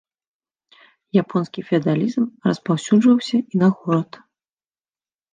Японскі феадалізм распаўсюджваўся і на горад.